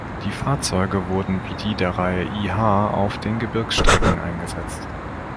Die Fahrzeuge wurden wie die der Reihe Ih auf den Gebirgsstrecken eingesetzt.